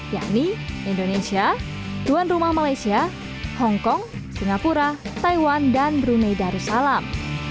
yakni indonesia tuan rumah malaysia hongkong singapura taiwan dan brunei darussalam